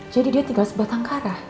jadi dia tinggal sebatang kara